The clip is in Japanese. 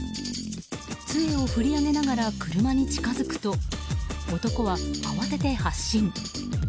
つえを振り上げながら車に近づくと男は慌てて発進。